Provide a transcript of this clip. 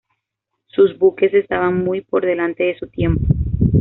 Sus buques estaban muy por delante de su tiempo.